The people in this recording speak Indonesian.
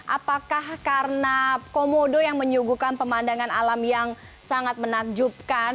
apakah karena komodo yang menyuguhkan pemandangan alam yang sangat menakjubkan